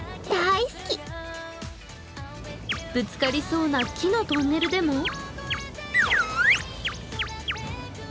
ぶつかりそうな木のトンネルでも。